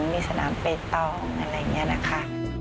มีสนามเปตองอะไรอย่างนี้นะคะ